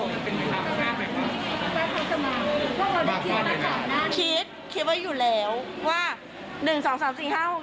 มาก่อนเลยหรอคิดคิดว่าอยู่แล้วว่าหนึ่งสองสามสี่ห้าหก